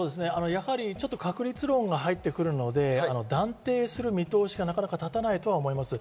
確率論が入ってくるので、断定する見通しがなかなか立たないとは思います。